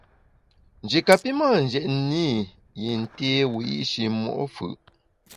Nji kapi mâ njetne i yin té wiyi’shi mo’ fù’.